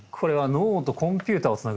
脳とコンピューターをつなぐ？